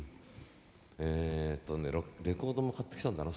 えっとねレコードも買ってきたんだな